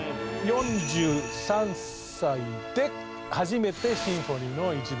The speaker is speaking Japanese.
４３歳で初めてシンフォニーの『１番』を作る。